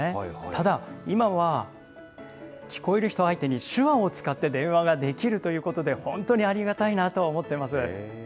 ただ、今は、聞こえる人相手に手話を使って電話ができるということで、本当にありがたいなと思ってます。